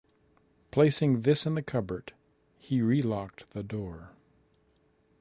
Placing this in the cupboard, he relocked the door.